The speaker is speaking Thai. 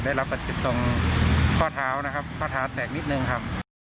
ได้รับบาดเจ็บตรงข้อเท้านะครับข้อเท้าแตกนิดนึงครับ